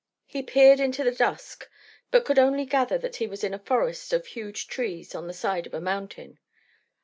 He peered into the dusk, but could only gather that he was in a forest of huge trees on the side of a mountain.